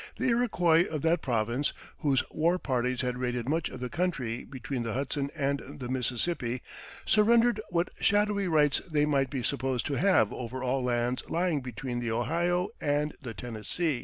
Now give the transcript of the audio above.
the Iroquois of that province, whose war parties had raided much of the country between the Hudson and the Mississippi, surrendered what shadowy rights they might be supposed to have over all lands lying between the Ohio and the Tennessee.